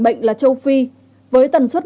bệnh là châu phi với tần suất